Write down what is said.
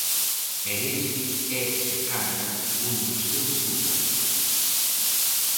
E ese é se cadra un dos seus encantos.